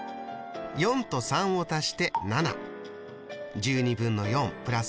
４と３を足して７。